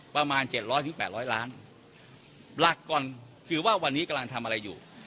ประมาณเจ็ดร้อยถึงแปดร้อยล้านหลักก่อนคือว่าวันนี้กำลังทำอะไรอยู่